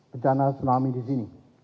bencana tsunami di sini